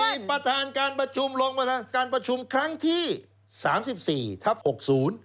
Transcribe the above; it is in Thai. มีประธานการประชุมลงประธานการประชุมครั้งที่๓๔ทับ๖๐